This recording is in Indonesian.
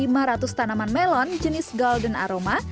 buah melon memiliki kerantian lima ratus tanaman melon jenis golden aroma